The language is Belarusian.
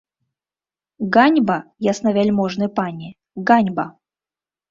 Ганьба, яснавяльможны пане, ганьба!